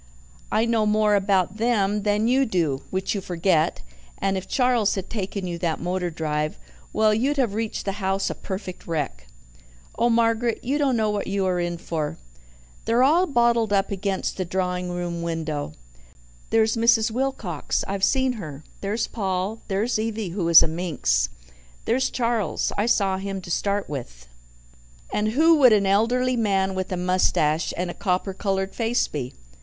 I know more about them than you do, which you forget, and if Charles had taken you that motor drive well, you'd have reached the house a perfect wreck. Oh, Margaret, you don't know what you are in for. They're all bottled up against the drawing room window. There's Mrs. Wilcox I've seen her. There's Paul. There's Evie, who is a minx. There's Charles I saw him to start with. And who would an elderly man with a moustache and a copper coloured face be?"